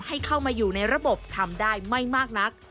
ให้เข้ามาอยู่ในระบบทำได้ไม่มากนัก